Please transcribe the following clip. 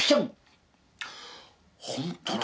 本当だ！